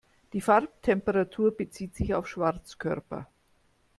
Die Farbtemperatur bezieht sich auf Schwarzkörper.